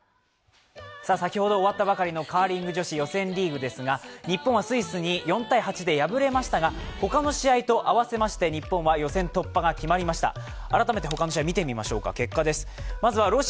先ほど終わったばかりのカーリング女子予選リーグですが日本はスイスに４−８で敗れましたが他の試合と合わせまして、日本は予選突破が決まりました。